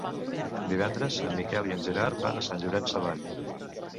Divendres en Miquel i en Gerard van a Sant Llorenç Savall.